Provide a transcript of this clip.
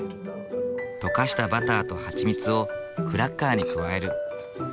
溶かしたバターとハチミツをクラッカーに加える。